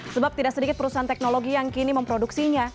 sebab tidak sedikit perusahaan teknologi yang kini memproduksinya